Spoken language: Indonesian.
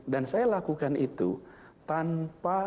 dan saya lakukan itu tanpa